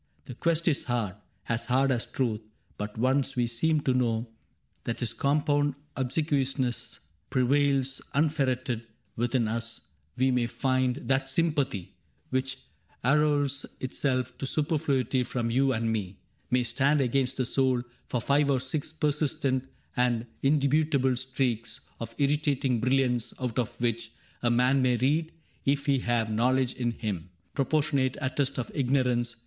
The quest is hard — As hard as truth ; but once we seem to know That his compound obsequiousness prevails Unferreted within us, we may find CAPTAIN CRAIG 29 That sympathy, which aureoles itself To superfluity from you and me, May stand against the soul for five or six Persistent and indubitable streaks Of irritating brilliance, out of which A man may read, if he have knowledge in him, Proportionate attest of ignorance.